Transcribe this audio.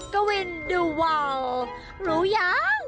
กวินดูวาวรู้ยัง